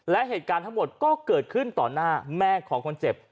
และเหตุการณ์ทั้งหมดก็เกิดขึ้นต่อหน้าแม่ของคนเจ็บ